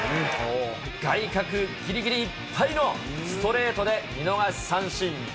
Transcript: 外角ぎりぎりいっぱいのストレートで見逃し三振。